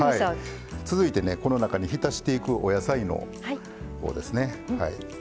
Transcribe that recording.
続いて、この中にひたしていくお野菜のほうですね。